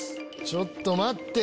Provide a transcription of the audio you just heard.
ちょっと待って！